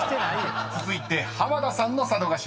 ［続いて濱田さんの佐渡島］